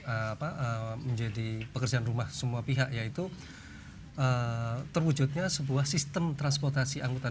apa menjadi pekerjaan rumah semua pihak yaitu terwujudnya sebuah sistem transportasi angkutan